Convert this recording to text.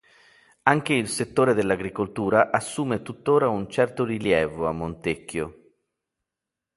Anche il settore dell'agricoltura assume tuttora un certo rilievo a Montecchio.